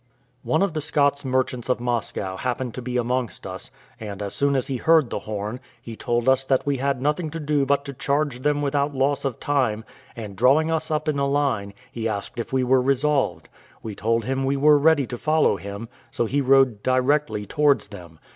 One of the Scots merchants of Moscow happened to be amongst us; and as soon as he heard the horn, he told us that we had nothing to do but to charge them without loss of time; and drawing us up in a line, he asked if we were resolved. We told him we were ready to follow him; so he rode directly towards them.